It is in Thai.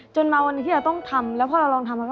จนมาวันที่เราต้องทำแล้วพอเราลองทำแล้วก็